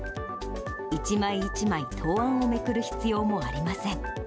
一枚一枚、答案をめくる必要もありません。